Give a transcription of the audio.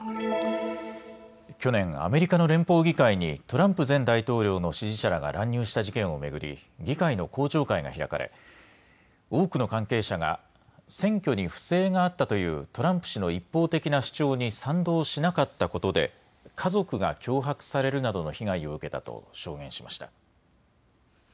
去年、アメリカの連邦議会にトランプ前大統領の支持者らが乱入した事件を巡り議会の公聴会が開かれ多くの関係者が選挙に不正があったというトランプ氏の一方的な主張に賛同しなかったことで家族が脅迫されるなどの被害を受けたと証言しました。